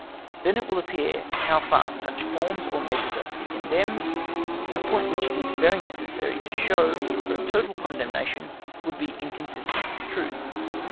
Then it will appear how far such forms or measures are to be condemned, a point which it is very necessary to show, for a total condemnation would be inconsistent with truth.